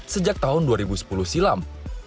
sejak tahun dua ribu sepuluh silam